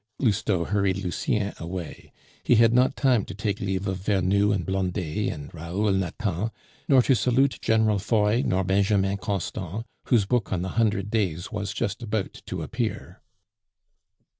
Lousteau hurried Lucien away; he had not time to take leave of Vernou and Blondet and Raoul Nathan, nor to salute General Foy nor Benjamin Constant, whose book on the Hundred Days was just about to appear.